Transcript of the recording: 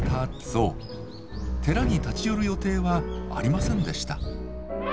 寺に立ち寄る予定はありませんでした。